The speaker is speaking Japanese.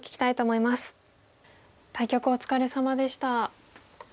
対局お疲れさまでした。